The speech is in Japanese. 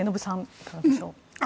いかがでしょうか。